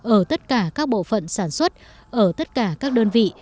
ở tất cả các bộ phận sản xuất ở tất cả các đơn vị